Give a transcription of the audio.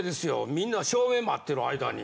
みんな照明待ってる間に。